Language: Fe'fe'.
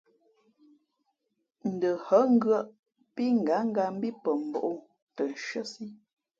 N ndα hά ngʉᾱʼ pí ngánga mbí pαmbᾱ ō tα nshʉ́άsí.